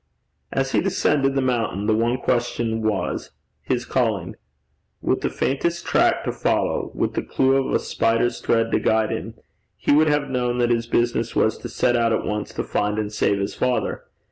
As he descended the mountain, the one question was his calling. With the faintest track to follow, with the clue of a spider's thread to guide him, he would have known that his business was to set out at once to find, and save his father.